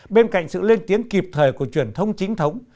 bên cạnh sự lên tiếng kịp thời của truyền thông chính thống